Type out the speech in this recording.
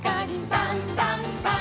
「さんさんさん」